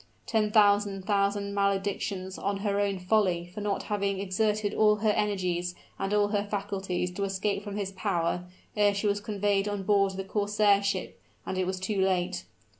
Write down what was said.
Ten thousand thousand maledictions on her own folly for not having exerted all her energies and all her faculties to escape from his power, ere she was conveyed on board the corsair ship, and it was too late!